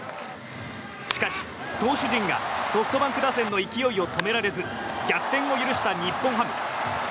しかし、投手陣がソフトバンク打線の勢いを止められず逆転を許した日本ハム。